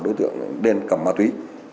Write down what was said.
đối tượng nên cầm ma túy